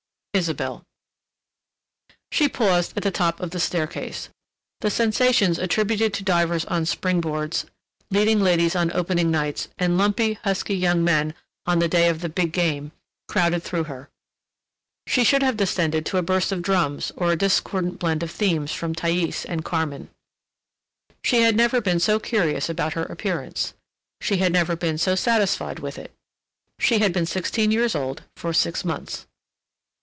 ISABELLE She paused at the top of the staircase. The sensations attributed to divers on spring boards, leading ladies on opening nights, and lumpy, husky young men on the day of the Big Game, crowded through her. She should have descended to a burst of drums or a discordant blend of themes from "Thais" and "Carmen." She had never been so curious about her appearance, she had never been so satisfied with it. She had been sixteen years old for six months.